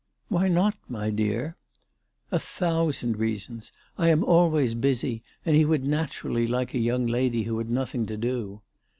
" Why not, my dear ?" "A thousand reasons; I am always busy, and he would naturalty like a young lady who had nothing to do."